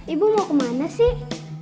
ibu mau kemana sih